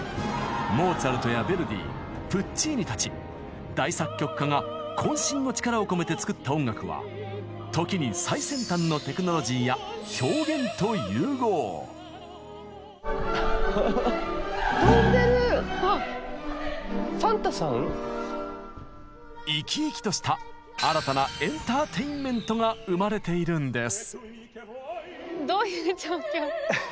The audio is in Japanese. モーツァルトやヴェルディプッチーニたち大作曲家がこん身の力を込めて作った音楽は時に生き生きとした新たなエンターテインメントが生まれているんです。